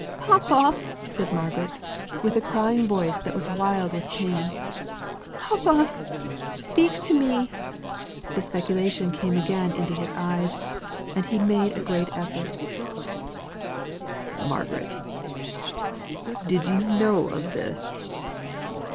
"Papa!" said Margaret, with a crying voice that was wild with pain. "Papa! Speak to me!" The speculation came again into his eyes, and he made a great effort. "Margaret, did you know of this?